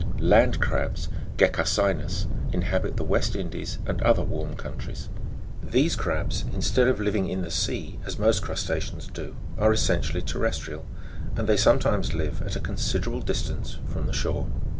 5. Land crabs Gecarci'nm (Jig. 64) inhabit the West Indies and other warm countries. These crabs, instead of living in the sea, as most crusta'ceans do, are essentially terrestrial, and they sometimes live at a considerable distance from the shore.